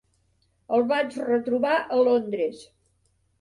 El vaig retrobar a Londres.